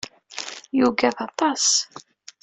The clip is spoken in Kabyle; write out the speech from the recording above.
Yugad aṭas.